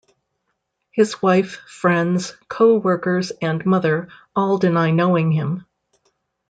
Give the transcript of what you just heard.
His wife, friends, co-workers, and mother all deny knowing him.